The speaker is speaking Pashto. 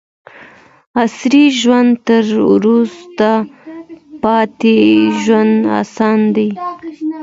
عصري ژوند تر وروسته پاتې ژوند اسانه دی.